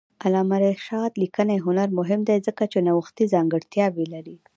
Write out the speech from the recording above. د علامه رشاد لیکنی هنر مهم دی ځکه چې نوښتي ځانګړتیاوې لري.